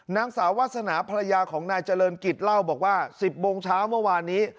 นางสาววาสนาภรรยาของนายเจริญกิจเล่าบอกว่า๑๐โมงเช้าเมื่อวานนี้